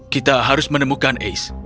kita harus menemukan ace